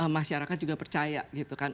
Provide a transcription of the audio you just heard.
masyarakat juga percaya gitu kan